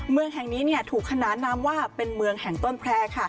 เมืองแห่งนี้ถูกขนานนามว่าเป็นเมืองแห่งต้นแพร่ค่ะ